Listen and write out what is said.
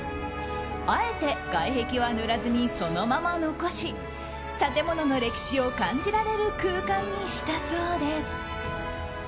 あえて外壁は塗らずにそのまま残し建物の歴史を感じられる空間にしたそうです。